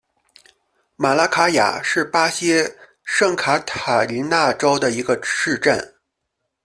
马拉卡雅是巴西圣卡塔琳娜州的一个市镇。